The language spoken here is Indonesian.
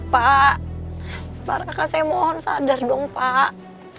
pak pak raka saya mohon sadar dong pak